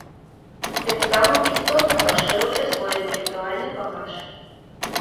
Тым самым істотна пашырыўшы свой інтэлектуальны багаж.